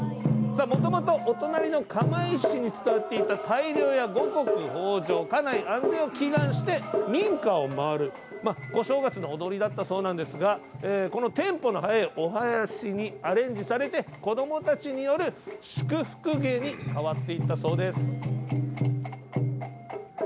もともと、お隣の釜石市に伝わっていた大漁や五穀豊じょう家内安全を祈願して民家を回る小正月の踊りだったそうですがテンポの速いお囃子にアレンジされて子どもたちによる祝福芸に変わっていったそうです。